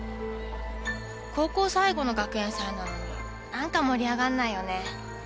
高校最後の学園祭なのに何か盛り上がんないよね。